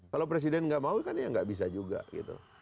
kalau presiden nggak mau kan ya nggak bisa juga gitu